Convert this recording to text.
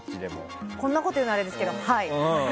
こんなこと言うのあれですけどはい！